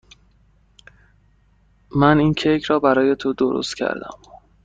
من این کیک را برای تو درست کردم.